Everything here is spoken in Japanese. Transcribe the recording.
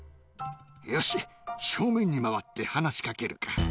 よし、正面に回って話しかけるか。